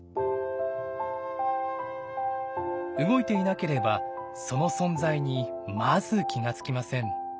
動いていなければその存在にまず気が付きません。